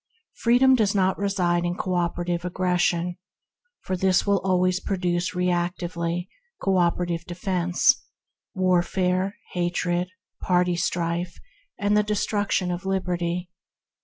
Freedom does not reside in co operative aggression, for this will always produce, reactively, co operative defence — hence warfare, hatred, party strife, and the destruction of liberty.